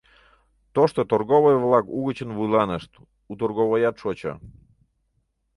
Тошто торговой-влак угычын вуйланышт, у торговоят шочо.